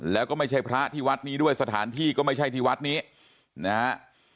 แล้วก็ไม่ใช่พระที่วัดนี้ด้วยสถานที่ก็ไม่ใช่ที่วัดนี้นะฮะ